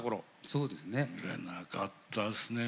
そうですね。